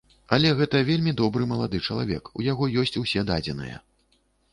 Але гэта вельмі добры малады чалавек, у яго ёсць ўсе дадзеныя.